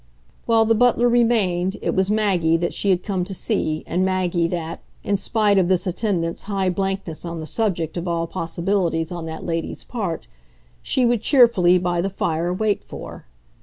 While the butler remained it was Maggie that she had come to see and Maggie that in spite of this attendant's high blankness on the subject of all possibilities on that lady's part she would cheerfully, by the fire, wait for.